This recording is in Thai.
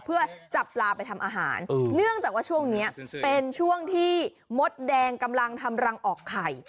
เพื่อจับปลาไปทำอาหารเนื่องจากว่าช่วงนี้เป็นช่วงที่มดแดงกำลังทำรังออกไข่